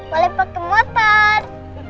boleh pakai motor